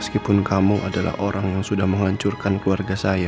meskipun kamu adalah orang yang sudah menghancurkan keluarga saya